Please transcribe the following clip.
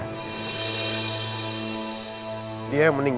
dah pasti mau pembangunin gw